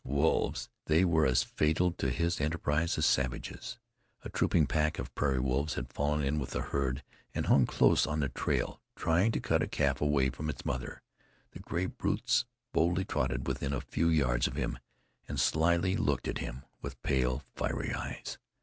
Wolves! They were as fatal to his enterprise as savages. A trooping pack of prairie wolves had fallen in with the herd and hung close on the trail, trying to cut a calf away from its mother. The gray brutes boldly trotted to within a few yards of him, and slyly looked at him, with pale, fiery eyes.